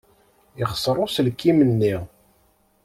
Yexṣer uselkim-nni.